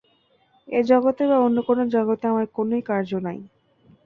এ জগতে বা অন্য কোন জগতে আমার কোনই কার্য নাই।